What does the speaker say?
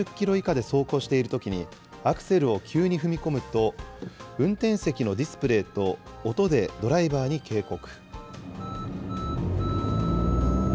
時速３０キロ以下で走行しているときに、アクセルを急に踏み込むと、運転席のディスプレーと音でドライバーに警告。